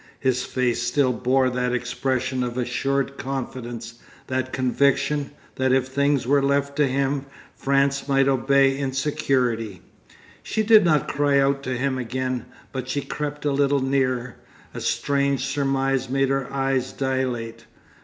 His face still bore that expression of assured confidence, that conviction that if things were left to him France might obey in security.... She did not cry out to him again, but she crept a little nearer. A strange surmise made her eyes dilate.